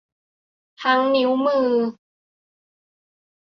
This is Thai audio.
ทั้งนิ้วมือ